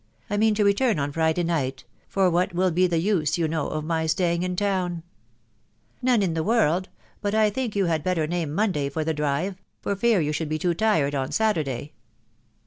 I mean to return on Friday night .... for what will be the use, you know, of my staying in town ?"" None in the world .... but I think you had better name Monday for the drive .*.. for fear you should be too tired on Saturday.